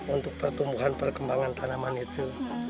untuk pertumbuhan perkembangan tanaman itu